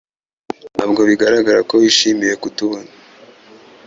Ntabwo bigaragara ko wishimiye kutubona